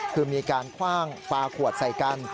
คือมีการคว่างปลาขวดใส่กัน